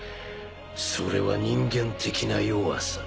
それは人間的な弱さ。